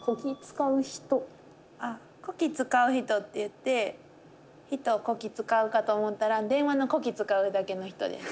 「こき使うひと」っていって人をこき使うかと思ったら電話の子機使うだけの人です。